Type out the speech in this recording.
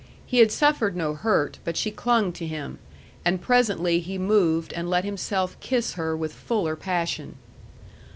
He had suffered no hurt, but she clung to him; and presently he moved and let himself kiss her with fuller passion.